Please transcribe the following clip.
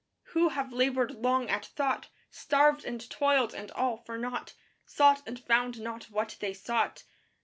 Who have labored long at thought; Starved and toiled and all for naught; Sought and found not what they sought.